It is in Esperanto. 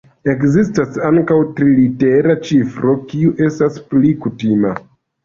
Ekzistas ankaŭ trilitera ĉifro kiu estas pli kutima.